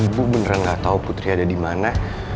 ibu beneran gak tahu putri ada dimana